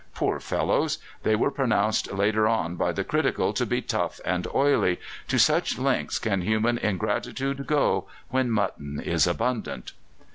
Poor fellows! they were pronounced later on by the critical to be tough and oily to such lengths can human ingratitude go when mutton is abundant.